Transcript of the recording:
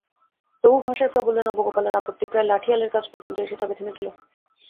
তবু ভাষার প্রাবল্যে নবগোপালের আপত্তি প্রায় লাঠিয়ালির কাছ পর্যন্ত এসে তবে থেমেছিল।